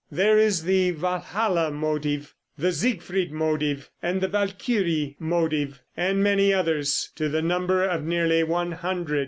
There is the "Walhalla motive," the "Siegfried motive," the "Valkyrie motive," and many others, to the number of nearly one hundred.